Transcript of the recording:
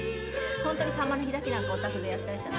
ホントにサンマの開きなんかお宅でやってらしたの？